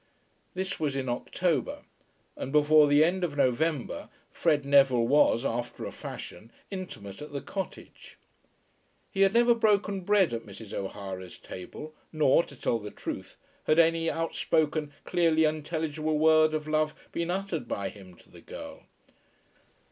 This was in October, and before the end of November Fred Neville was, after a fashion, intimate at the cottage. He had never broken bread at Mrs. O'Hara's table; nor, to tell the truth, had any outspoken, clearly intelligible word of love been uttered by him to the girl.